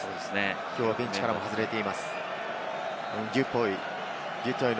きょうはベンチからも外れています。